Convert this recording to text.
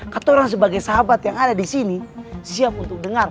kata orang sebagai sahabat yang ada di sini siap untuk dengar